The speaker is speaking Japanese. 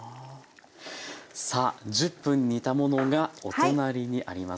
さあ１０分煮たものがお隣にあります。